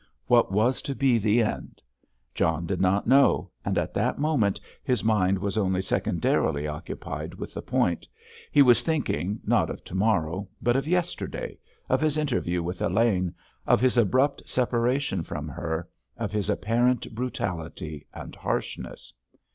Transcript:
What was to be the end? John did not know, and at that moment his mind was only secondarily occupied with the point; he was thinking, not of to morrow, but of yesterday, of his interview with Elaine, of his abrupt separation from her, of his apparent brutality and harshness.